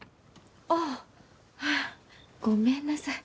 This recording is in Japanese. ああっフッごめんなさい。